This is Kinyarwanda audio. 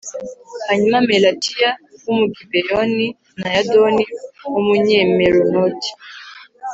Hanyuma melatiya w umugibeyoni na yadoni w umunyameronoti